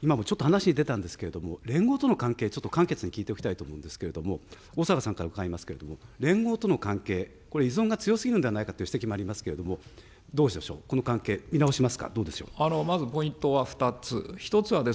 今もちょっと話に出たんですけれども、連合との関係、ちょっと簡潔に聞いておきたいと思うんですけれども、逢坂さんから伺いますけれども、連合との関係、これ、依存が強すぎるのではないかという指摘もありますけども、どうでしょう、この関係、見直しままずポイントは２つ。